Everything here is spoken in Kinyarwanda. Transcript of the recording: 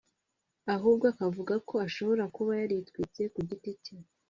ahubwo akavuga ko ashobora kuba yaritwitse ku giti cye